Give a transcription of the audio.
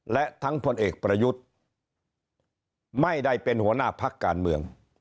และทั้งพลเอกประยุทธ์ไม่ได้เป็นหัวหน้าพักการเมือง